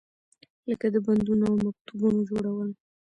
لکه د بندونو او مکتبونو جوړول.